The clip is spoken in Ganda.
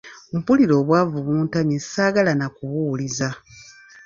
Mpulira obwavu buntamye saagala na kubuwuliza.